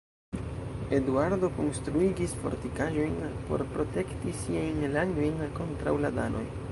Eduardo konstruigis fortikaĵojn por protekti siajn landojn kontraŭ la danoj.